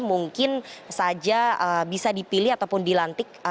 mungkin saja bisa dipilih ataupun dilantik